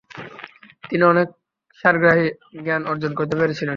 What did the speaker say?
তিনি অনেক সারগ্রাহী জ্ঞান অর্জন করতে পেরেছিলেন।